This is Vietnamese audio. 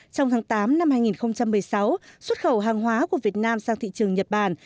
trong tháng tám năm hai nghìn một mươi sáu xuất khẩu hàng hóa của việt nam sang thị trường nhật bản